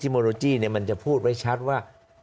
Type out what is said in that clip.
มันจะพูดไว้ชัดว่า